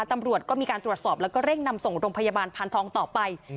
ตำรวจก็มีการตรวจสอบแล้วก็เร่งนำส่งโรงพยาบาลพานทองต่อไป